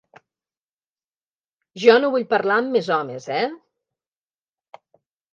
Jo no vull parlar amb més homes, eh?